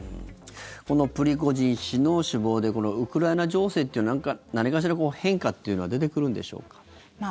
このプリゴジン氏の死亡でウクライナ情勢というのは何かしら変化っていうのは出てくるんでしょうか？